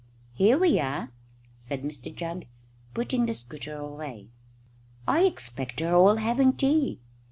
"Here we are," said Mr Jugg, putting the scooter away. "I expect they're all having tea."